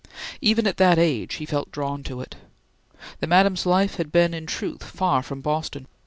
Even at that age, he felt drawn to it. The Madam's life had been in truth far from Boston.